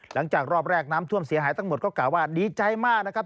หลังจากรอบแรกน้ำท่วมเสียหายทั้งหมดก็กล่าวว่าดีใจมากนะครับ